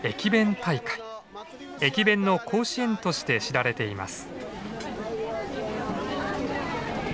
駅弁の甲子園として知られています。